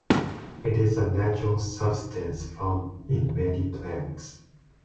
It is a natural substance found in many plants.